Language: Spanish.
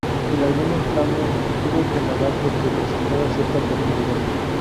En algunos tramos tuvo que nadar, porque presentaba cierta profundidad.